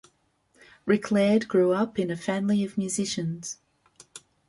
Rick Laird grew up in a family of musicians.